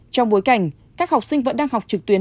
trong bối cảnh các học sinh vẫn đang học trực tuyến